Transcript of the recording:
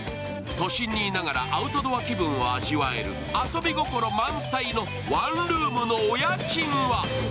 都心にいながらアウトドア気分を味わえる遊び心満載のワンルームのお家賃は？